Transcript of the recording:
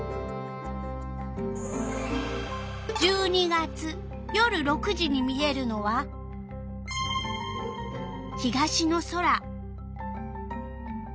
１２月夜６時に見えるのは東の空。